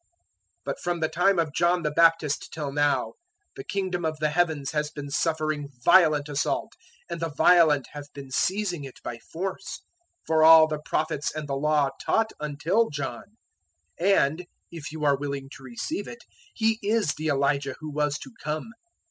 011:012 But from the time of John the Baptist till now, the Kingdom of the Heavens has been suffering violent assault, and the violent have been seizing it by force. 011:013 For all the Prophets and the Law taught until John. 011:014 And (if you are willing to receive it) he is the Elijah who was to come.